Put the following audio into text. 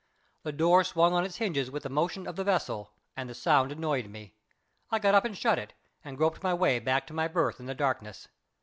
The door swung on its hinges with the motion of the vessel, and the sound annoyed me. I got up and shut it, and groped my way back to my berth in the darkness.